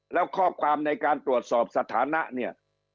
แล้วข้อความในการตรวจสอบสถานะเนี่ย